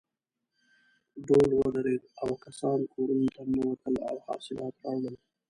ډول ودرېد او کسان کورونو ته ننوتل حاصلات راوړل.